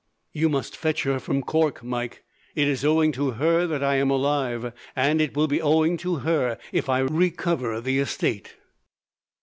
"You must fetch her from Cork, Mike. It is owing to her that I am alive, and it will be owing to her if I recover the estate.